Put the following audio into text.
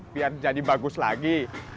biar jadi bagus lagi